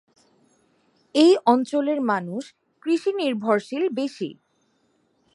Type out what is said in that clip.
এই অঞ্চলের মানুষ কৃষি নির্ভরশীল বেশি।